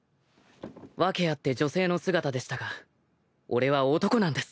訳あって女性の姿でしたが俺は男なんです。